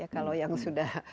kalau yang sudah